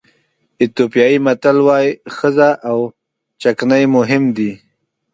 ایتیوپیایي متل وایي ښځه او چکنۍ مهم دي.